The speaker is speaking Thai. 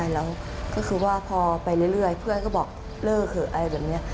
แล้วก็คือว่าพอไปเรื่อยเพื่อนก็บอกเลิกเถอะอะไรแบบนี้